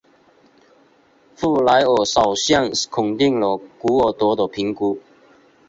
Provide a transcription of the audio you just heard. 布莱尔首相肯定了古尔德的评估。